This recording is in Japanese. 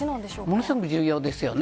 ものすごく重要ですよね。